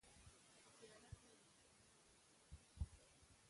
ـ زیارت نوماشومان له کومه کړل!